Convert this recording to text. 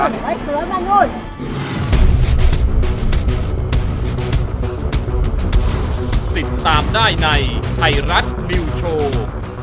เฮ้ยเสือมานู้น